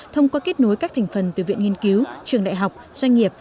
thông qua kết nối các thành phần từ viện nghiên cứu trường đại học doanh nghiệp